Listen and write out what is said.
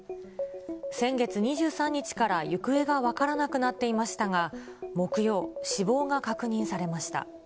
先月２３日から行方が分からなくなっていましたが、木曜、死亡が確認されました。